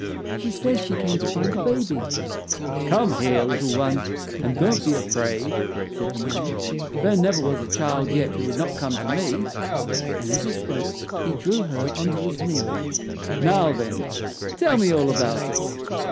She says she came to find a baby." "Come here, little one, and don't be afraid," said the man. "There never was a child yet who would not come to me," and as he spoke he drew her on to his knee. "Now, then, tell me all about it."